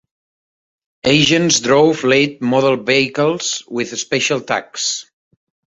Agents drove late model vehicles with special tags.